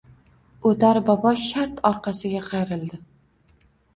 Oʼtar bobo shart orqasiga qayrildi.